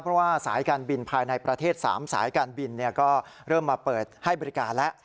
เพราะว่าสายการบินภายในประเทศ๓สายการบินก็เริ่มมาเปิดให้บริการแล้ว